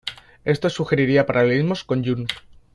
Esto sugeriría paralelismos con Jung.